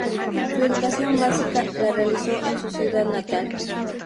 Su educación básica la realizó en su ciudad natal.